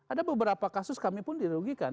ada beberapa kasus kami pun dirugikan